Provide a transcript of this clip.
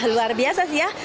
luar biasa sih ya